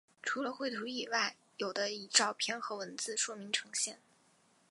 除了绘图之外有的以照片和文字说明呈现。